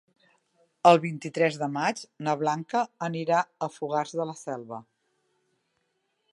El vint-i-tres de maig na Blanca anirà a Fogars de la Selva.